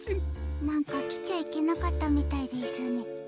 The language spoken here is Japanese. なんかきちゃいけなかったみたいですね。